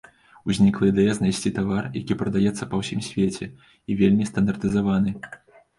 Узнікла ідэя знайсці тавар, які прадаецца па ўсім свеце, і вельмі стандартызаваны.